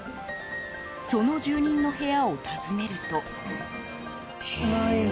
その住人の部屋を訪ねると。